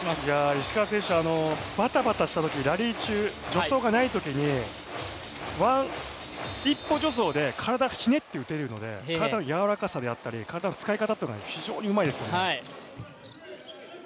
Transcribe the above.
石川選手、バタバタしたときラリー中助走がないときに１歩助走で体をひねって打てるので、体の柔らかさであったり体の使い方というのが非常にうまいですよね。